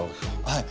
はい。